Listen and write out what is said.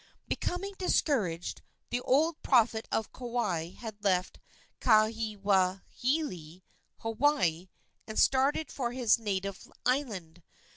Becoming discouraged, the old prophet of Kauai had left Kaiwilahilahi, Hawaii, and started for his native island.